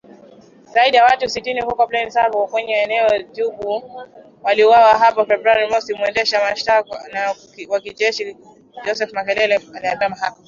zaidi ya watu sitini huko Plaine Savo kwenye eneo la Djubu, waliuawa hapo Februari mosi mwendesha mashtaka wa kijeshi Joseph Makelele aliiambia mahakama.